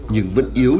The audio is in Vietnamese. nhưng vẫn yếu